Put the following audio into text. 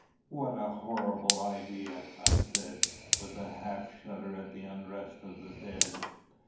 "What a horrible idea!" I said, with a half shudder at the unrest of the dead.